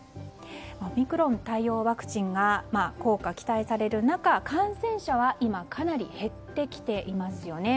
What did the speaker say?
オミクロン対応ワクチンが効果が期待される中感染者は今かなり減ってきていますよね。